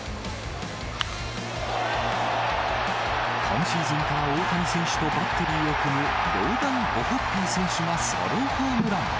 今シーズンから大谷選手とバッテリーを組むローガン・オホッピー選手がソロホームラン。